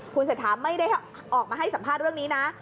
คุณเศรษฐาไม่ได้ออกมาให้สัมภาษณ์เรื่องนี้นะ